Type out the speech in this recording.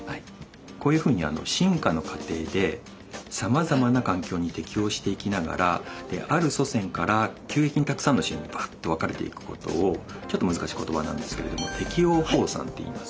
こういうふうに進化の過程でさまざまな環境に適応していきながらある祖先から急激にたくさんの種にばっと分かれていくことをちょっと難しい言葉なんですけれども適応放散っていいます。